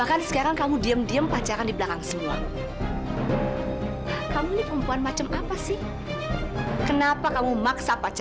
kenapa kamu maksa pacaran dengan anak saya